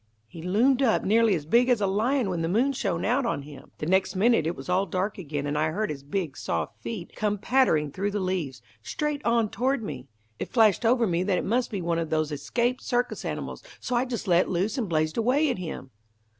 He loomed up nearly as big as a lion when the moon shone out on him. The next minute it was all dark again, and I heard his big soft feet come pattering through the leaves, straight on toward me. It flashed over me that it must be one of those escaped circus animals, so I just let loose and blazed away at him."